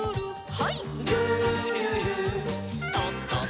はい。